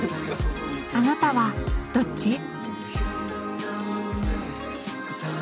あなたはどっち？